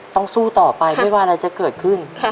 สู้ต่อไปไม่ว่าอะไรจะเกิดขึ้น